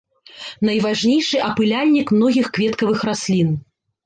Найважнейшы апыляльнік многіх кветкавых раслін.